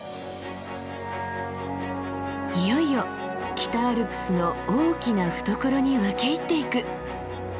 いよいよ北アルプスの大きな懐に分け入っていく。